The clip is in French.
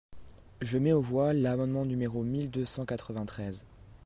Je mets aux voix l’amendement numéro mille deux cent quatre-vingt-treize.